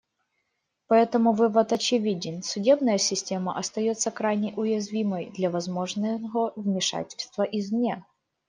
Поэтому вывод очевиден: судебная система остается крайне уязвимой для возможного вмешательства извне.